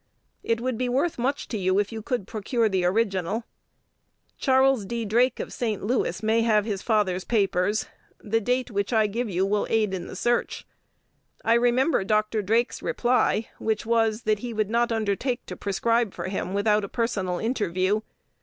It would be worth much to you, if you could procure the original. Charles D. Drake, of St. Louis, may have his father's papers. The date which I give you will aid in the search. I remember Dr. Drake's reply, which was, that he would not undertake to prescribe for him without a personal interview.